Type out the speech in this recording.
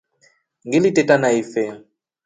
Ngili teta na ifee.